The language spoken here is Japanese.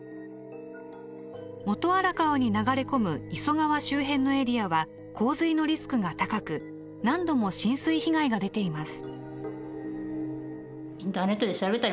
元荒川に流れ込む磯川周辺のエリアは洪水のリスクが高く何度も浸水被害が出ています。